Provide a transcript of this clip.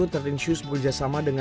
sekali aja gagalnya